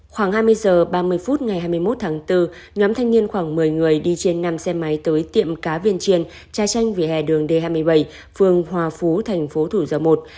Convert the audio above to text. khoảng hai mươi h ba mươi phút ngày hai mươi một tháng bốn nhóm thanh niên khoảng một mươi người đi trên năm xe máy tới tiệm cá viên chiên tra tranh vỉa hè đường d hai mươi bảy phường hòa phú thành phố thủ dầu một